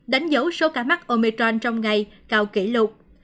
đánh dấu số ca mắc omechron trong ngày cao kỷ lục